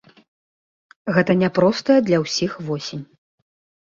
Гэта няпростая для ўсіх восень.